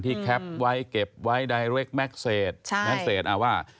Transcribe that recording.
ที่แคปไว้เก็บไว้แม็กเซศใช่แม็กเซศอ่ะว่า